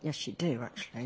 はい。